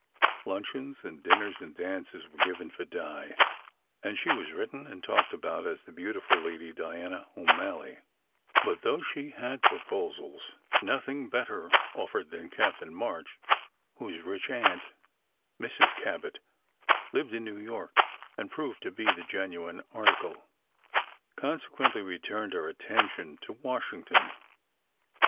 Luncheons and dinners and dances were given for Di, and she was writ ten and talked about as the "Beautiful Lady Diana O Malley"; but, though she had proposals, nothing better offered than Captain March, whose rich aunt, Mrs. Cabot, lived in New York, and proved to be the genuine article. Consequently, we turned our attention to Washington.